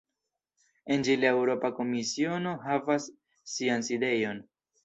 En ĝi la Eŭropa Komisiono havas sian sidejon.